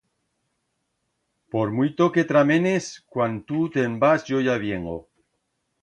Por muito que tramenes, cuan tu t'en vas, yo ya viengo.